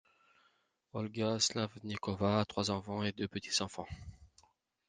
Olga Slavnikova a trois enfants et deux petits-enfants.